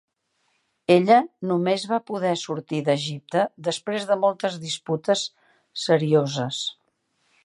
Ella només va poder sortir d'Egipte després de moltes disputes serioses.